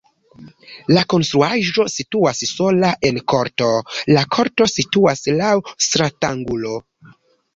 La konstruaĵo situas sola en korto, la korto situas laŭ stratangulo.